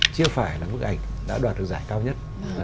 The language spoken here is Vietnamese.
chưa phải là bức ảnh đã đoạt được giải cao nhất